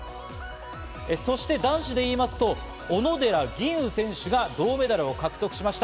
そして男子でいいますと、小野寺吟雲選手が銅メダルを獲得しました。